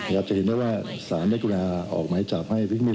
แล้วจะเห็นได้ว่าศาลได้กลุ่นาออกไหมจับให้พิกมิตร